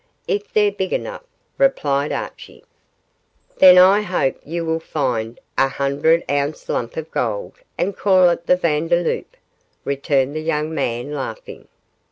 'If they're big enough,' replied Archie. 'Then I hope you will find a hundred ounce lump of gold, and call it the Vandeloup,' returned the young man, laughing.